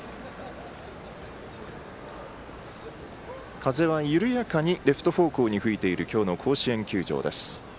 風は緩やかにレフト方向に吹いている今日の甲子園球場です。